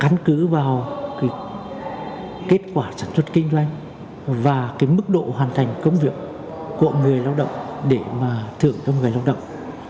căn cứ vào kết quả sản xuất kinh doanh và cái mức độ hoàn thành công việc của người lao động để mà thưởng cho người lao động